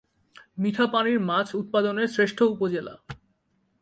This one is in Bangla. মিঠা পানির মাছ উৎপাদনে শ্রেষ্ঠ উপজেলা।